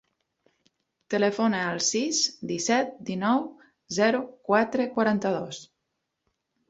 Telefona al sis, disset, dinou, zero, quatre, quaranta-dos.